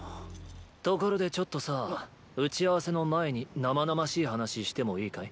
ところでちょっとさあ打ち合わせの前にナマナマしい話してもいいかい？